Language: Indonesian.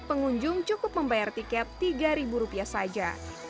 pengunjung cukup membayar tiket rp tiga saja